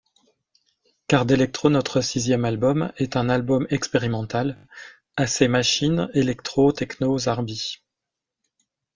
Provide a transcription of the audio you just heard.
Cardelectro, notre sixième album, est un album expérimental, assez machines electro tekno zarbi.